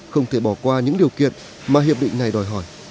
không thể bỏ qua những điều kiện mà hiệp định này đòi hỏi